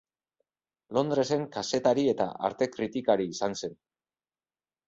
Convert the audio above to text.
Londresen kazetari eta arte-kritikari izan zen.